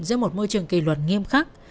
do một môi trường kỳ luật nghiêm khắc